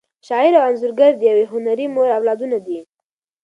شاعر او انځورګر د یوې هنري مور اولادونه دي.